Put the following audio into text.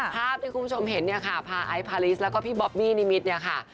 ภาพที่คุณผู้ชมเห็นเนี่ยค่ะพาไอซ์พาริสแล้วก็พี่บอบบี้นิมิตรเนี่ยค่ะ